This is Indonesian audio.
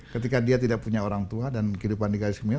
ketika dia tidak punya orang tua dan kehidupan negara isu kemilau